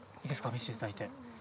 見せていただいて。